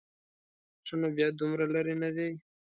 ښه نو بیا دومره لرې نه دی.